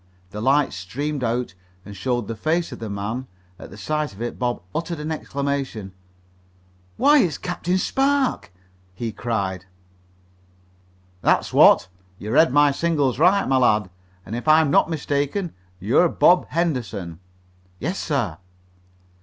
The light streamed out and showed the face of the man. At the sight of it Bob uttered an exclamation. "Why, it's Captain Spark!" he cried. "That's what. You read my signals right, my lad, and if I'm not mistaken, you're Bob Henderson." "Yes, sir."